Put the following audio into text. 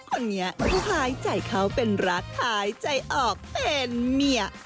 คนนี้เขาหายใจเขาเป็นรักหายใจออกเป็นเมีย